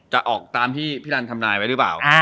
จะออกตามที่พี่รันทำนายไว้หรือเปล่า